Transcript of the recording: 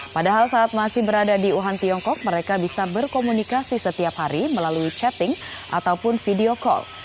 padahal saat masih berada di wuhan tiongkok mereka bisa berkomunikasi setiap hari melalui chatting ataupun video call